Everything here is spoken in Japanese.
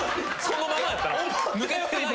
そのままやったな。